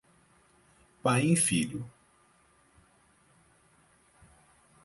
Paim Filho